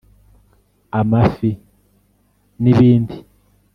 amafi n’ibindi